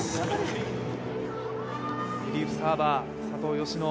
リリーフサーバー、佐藤淑乃